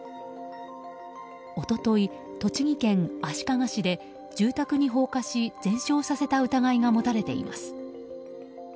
一昨日、栃木県足利市で住宅に放火し全焼させた疑いが持たれています。